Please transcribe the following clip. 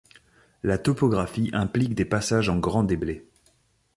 La topographie implique des passages en grands déblais.